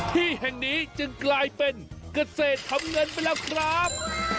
ที่แห่งนี้จึงกลายเป็นเกษตรทำเงินไปแล้วครับ